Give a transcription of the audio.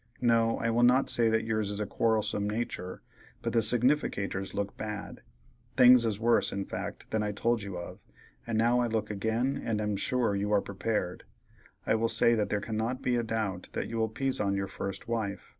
No, I will not say that yours is a quarrelsome natur', but the significators look bad. Things is worse, in fact, than I told you of, and now I look again and am sure you are prepared, I will say that there cannot be a doubt that you will pizon your first wife.